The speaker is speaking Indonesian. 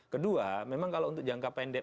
kedua memang kalau untuk jangka pendek